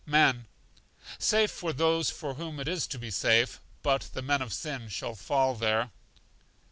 Men. Safe for those for whom it is to be safe; but the men of sin shall fall there.